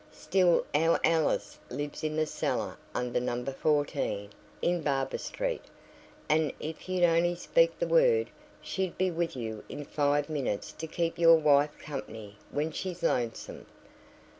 "Still our Alice lives in the cellar under No. 14, in Barber Street, and if you'd only speak the word she'd be with you in five minutes, to keep your wife company when she's lonesome.